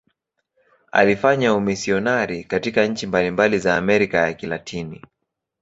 Alifanya umisionari katika nchi mbalimbali za Amerika ya Kilatini.